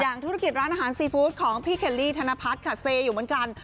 ธุรกิจร้านอาหารซีฟู้ดของพี่เคลลี่ธนพัฒน์ค่ะเซอยู่เหมือนกัน